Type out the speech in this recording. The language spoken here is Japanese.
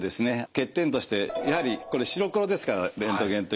欠点としてやはりこれ白黒ですからレントゲンというのは。